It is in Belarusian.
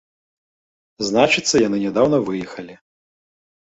Значыцца, яны нядаўна выехалі!